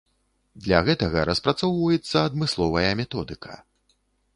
Для гэтага распрацоўваецца адмысловая методыка.